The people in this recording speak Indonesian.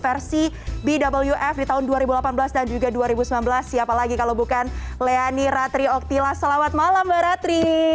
versi bwf di tahun dua ribu delapan belas dan juga dua ribu sembilan belas siapa lagi kalau bukan leani ratri oktilas selamat malam mbak ratri